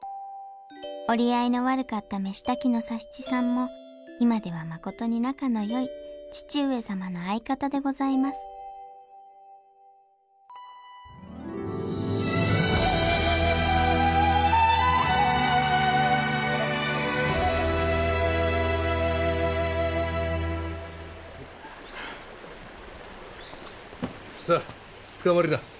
折り合いの悪かった飯炊きの佐七さんも今ではまことに仲のよい義父上様の相方でございますさあつかまりな。